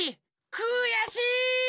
くやしい！